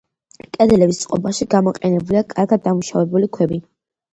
კედლების წყობაში გამოყენებულია კარგად დამუშავებული ქვები.